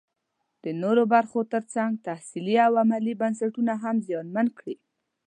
د نورو برخو ترڅنګ تحصیلي او علمي بنسټونه هم زیانمن کړي